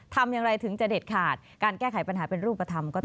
ทำอย่างไรถึงจะเด็ดขาดการแก้ไขปัญหาเป็นรูปธรรมก็ต้อง